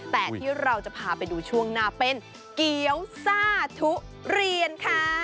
แต่ที่เราจะพาไปดูช่วงหน้าเป็นเกี๊ยวซ่าทุเรียนค่ะ